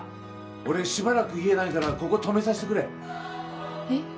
俺しばらく家ないからここ泊めさしてえっ？